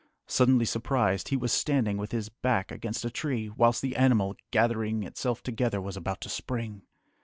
Suddenly surprised, he was standing with his back against a tree, whilst the animal, gathering itself together, was about to spring.